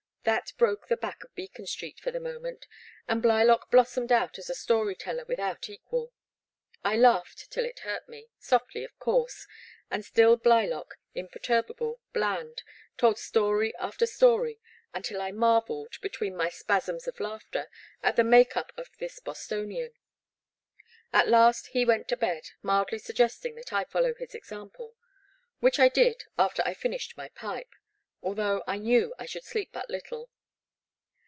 That broke the back of Beacon Street for the moment, and Blylock blossomed out as a story teller without equal. I laughed till it hurt me, softly, of course, and still Blylock, imperturbable, bland, told story after story, until I marvelled, between my spasms of laughter, at the make up of this Bostonian. At last he went to bed, mildly suggesting that I fol low his example, which I did after I finished my pipe, although I knew I should sleep but little.